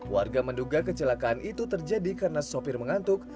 warga menduga kecelakaan itu terjadi karena sopir mengantuk